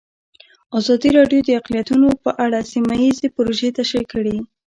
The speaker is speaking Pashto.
ازادي راډیو د اقلیتونه په اړه سیمه ییزې پروژې تشریح کړې.